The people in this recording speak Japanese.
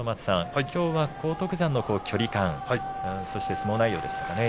きょうは荒篤山の距離感そして相撲内容でしたね。